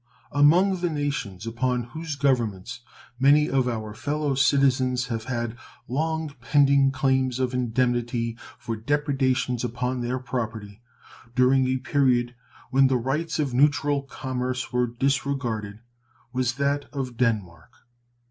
Among the nations upon whose Governments many of our fellow citizens have had long pending claims of indemnity for depredations upon their property during a period when the rights of neutral commerce were disregarded was that of Denmark.